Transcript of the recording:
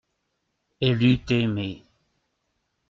Elle eut aimé.